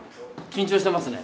緊張してますね。